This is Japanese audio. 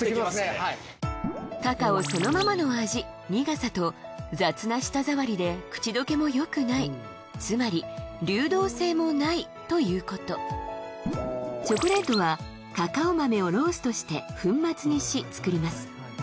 はいカカオそのままの味苦さと雑な舌触りで口溶けもよくないつまり流動性もないということチョコレートはカカオ豆をローストして粉末にし作ります